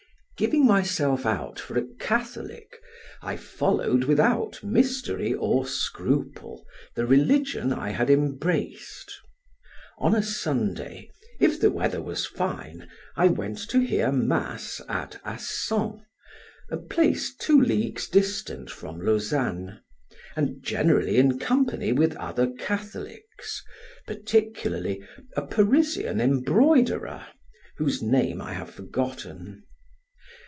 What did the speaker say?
Giving myself out for a Catholic, I followed without mystery or scruple the religion I had embraced. On a Sunday, if the weather was fine, I went to hear mass at Assans, a place two leagues distant from Lausanne, and generally in company with other Catholics, particularly a Parisian embroiderer, whose name I have forgotten.